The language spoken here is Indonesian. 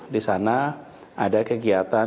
di sana ada kegiatan